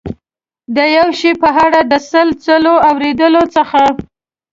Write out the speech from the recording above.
د یو شي په اړه د سل ځلو اورېدلو څخه.